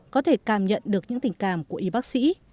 có thể cảm nhận được những tình cảm của y bác sĩ